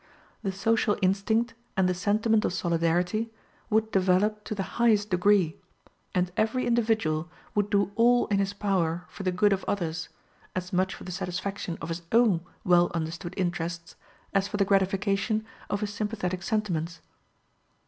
The social instinct and the sentiment of solidarity would develop to the highest degree; and every individual would do all in his power for the good of others, as much for the satisfaction of his own well understood interests as for the gratification of his sympathetic sentiments.